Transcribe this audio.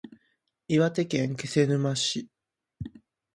岩手県気仙沼市